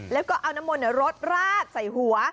แล้วก็เอาน้ำมนต์รดราดใส่หัว